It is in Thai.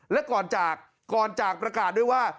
และก่อนจากประกาศด้วยว่า